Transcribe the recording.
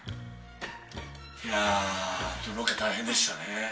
今日ロケ大変でしたね。